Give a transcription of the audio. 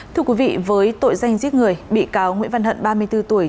thưa quý vị với tội danh giết người bị cáo nguyễn văn hận ba mươi bốn tuổi